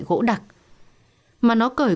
gỗ đặc mà nó cởi